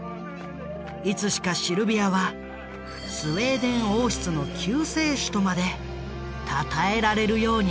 いつしかシルビアは「スウェーデン王室の救世主」とまでたたえられるようになった。